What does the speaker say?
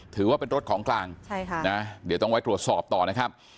ถือว่าเป็นรถของกลางใช่ค่ะนะเดี๋ยวต้องไว้ตรวจสอบต่อนะครับ